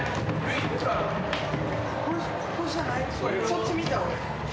そっち見た俺。